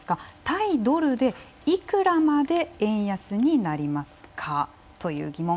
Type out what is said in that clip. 対ドルでいくらまで円安になりますか？という疑問。